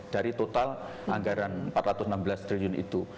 dari total anggaran rp empat ratus enam belas triliun itu